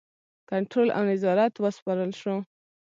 کنټرول او نظارت وسپارل شو.